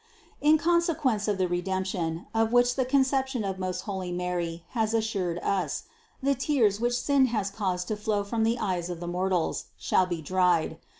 In consequence of the Re demption, of which the Conception of most holy Mary has assured us, the tears, which sin has caused to flow from the eyes of the mortals, shall be dried.